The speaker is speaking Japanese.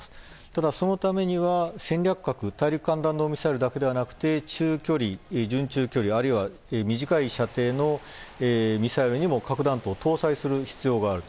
ただそのためには、戦略核大陸間弾道ミサイルだけではなくて中距離、準中距離あるいは短い射程のミサイルにも核弾頭を搭載する必要がある。